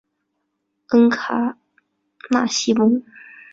恩卡纳西翁。